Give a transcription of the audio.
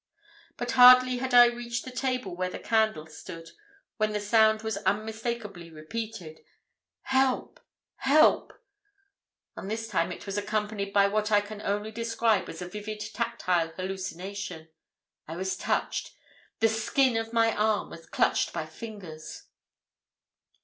"But hardly had I reached the table where the candles stood when the sound was unmistakably repeated: 'Help! help!' And this time it was accompanied by what I can only describe as a vivid tactile hallucination. I was touched: the skin of my arm was clutched by fingers.